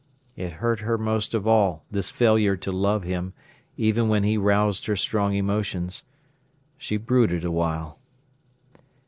It hurt her most of all, this failure to love him, even when he roused her strong emotions. She brooded awhile.